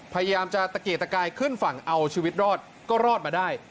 พยายามจะตะเกียกตะกายขึ้นฝั่งเอาชีวิตรอดก็รอดมาได้